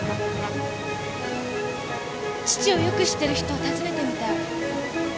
父をよく知ってる人を訪ねてみたい。